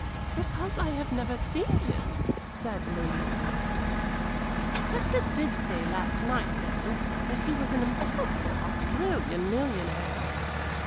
"Because I have never seen him," said Lady Anningford. "Hector did say last night, though, that he was an impossible Australian millionaire."